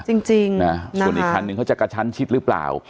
ส่วนอีกคันหนึ่งก็จะกระชันชิดหรือเปล่า